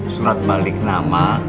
surat balik nama